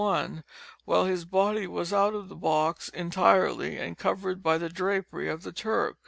I, while his body was out of the box entirely, and covered by the drapery of the Turk.